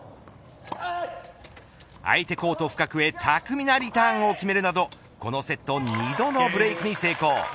相手コート深くへ巧みなリターンを決めるなどこのセット２度のブレークに成功。